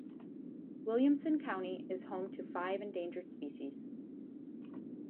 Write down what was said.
Williamson county is home to five endangered species.